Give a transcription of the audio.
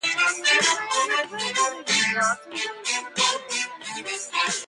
It is made with relatively few parts and very simple to maintain.